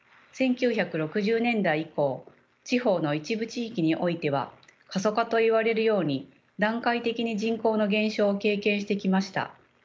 １９６０年代以降地方の一部地域においては過疎化といわれるように段階的に人口の減少を経験してきました。